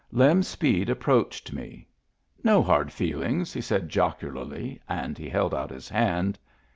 Lem Speed approached me. " No hard feel ings," he said jocularly, and he held out his hand.